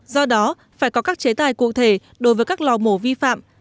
do đó phải có các chế tài cụ thể đối với các lò mổ vi phạm